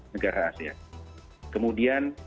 negara asia kemudian